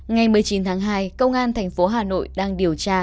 ngày một mươi chín tháng hai công an thành phố hà nội đang điều tra